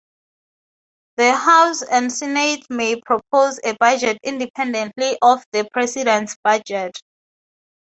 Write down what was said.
The House and Senate may propose a budget independently of the President's budget.